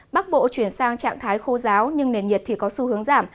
bắc bộ chuyển sang trạng thái khô giáo nhưng nền nhiệt có xu hướng giảm